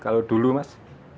kalau dulu mas